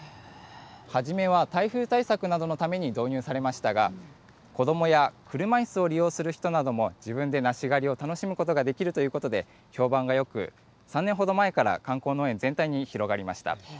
初めは台風対策などのために導入されましたが、子どもや車いすを利用する人なども、自分で梨狩りを楽しむことができるということで、評判がよく、３年ほど前から観光農園全体に広がりました。